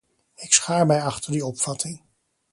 Ik schaar mij achter die opvatting.